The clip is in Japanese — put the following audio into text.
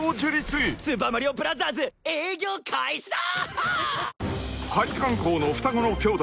「スーパマリオブラザーズ営業開始だ！」